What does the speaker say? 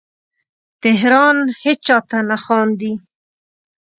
تهران هیچا ته نه خاندې